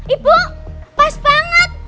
ibu pas banget